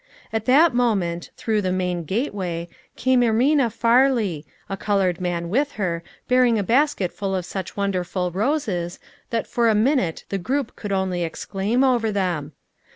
At that moment, through the main gateway, came Ermina Farley, a colored man with her, bearing a basket full of such wonderful roses, that for a minute the group could only exclaim over them.